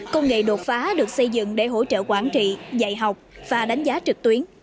công nghệ đột phá được xây dựng để hỗ trợ quản trị dạy học và đánh giá trực tuyến